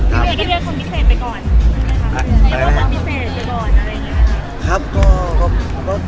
พี่เวียที่เรียกความพิเศษไปก่อนคิดว่าความพิเศษไปก่อน